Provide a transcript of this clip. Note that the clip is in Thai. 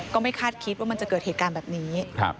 ก็ไม่คาดคิดว่ามันจะเกิดเหตุการณ์แบบนี้